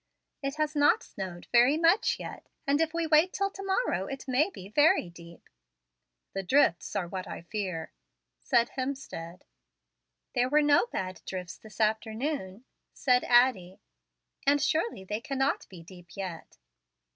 "It has not snowed very much yet, and if we wait till to morrow it may be very deep." "The drifts are what I fear," said Hemstead. "There were no bad drifts this afternoon," said Addie, "and surely they cannot be deep yet."